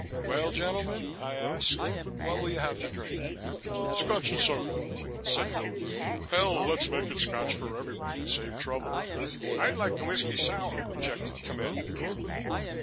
"Well, gentlemen," I asked, "what will you have to drink?" "Scotch and soda," said Willamer. "Hell, let's make it Scotch for everyone and save trouble." "I'd like a whiskey sour," objected Commander Coonley.